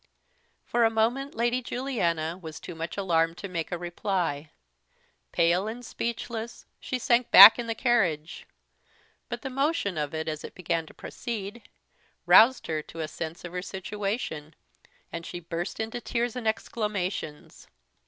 For a moment Lady Juliana was too much alarmed to make a reply; pale and speechless, she sank back in the carriage; but the motion of it, as it began to proceed, roused her to a sense of her situation, and she burst into tears and exclamations.